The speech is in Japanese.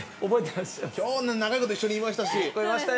◆きょう長いこと一緒にいましたし。